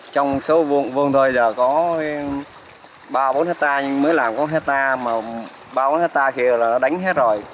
trong số vuông thôi giờ có ba bốn hectare nhưng mới làm có hectare mà ba bốn hectare kia là đánh hết rồi